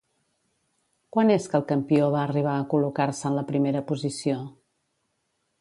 Quan és que el campió va arribar a col·locar-se en la primera posició?